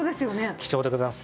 貴重でございます。